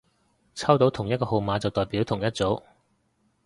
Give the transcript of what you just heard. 抽到同一個號碼就代表同一組